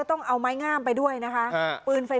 ต่อมาจะมาทำร้าย